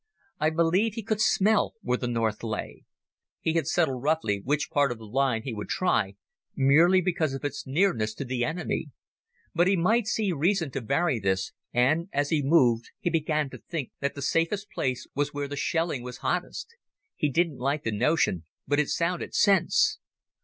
I believe he could smell where the north lay. He had settled roughly which part of the line he would try, merely because of its nearness to the enemy. But he might see reason to vary this, and as he moved he began to think that the safest place was where the shelling was hottest. He didn't like the notion, but it sounded sense.